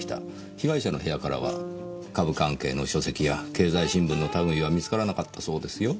被害者の部屋からは株関係の書籍や経済新聞の類は見つからなかったそうですよ。